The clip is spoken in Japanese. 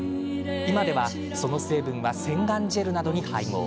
今では、その成分は洗顔ジェルなどに配合。